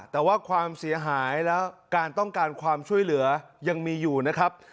แต่ว่าความเสียหายและการต้องการความช่วยเหลือยังมีอยู่นะครับ